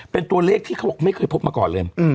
เป็นตัวเลขที่เขาบอกไม่เคยพบมาก่อนเลย